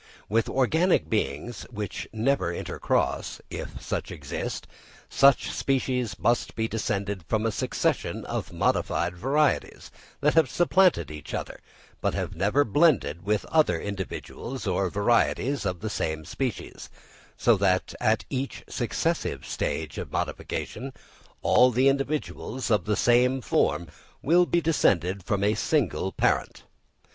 With organic beings which never intercross, if such exist, each species, must be descended from a succession of modified varieties, that have supplanted each other, but have never blended with other individuals or varieties of the same species, so that, at each successive stage of modification, all the individuals of the same form will be descended from a single parent.